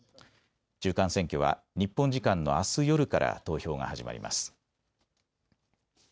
中間選挙は日本時間のあす夜から投票が始まります。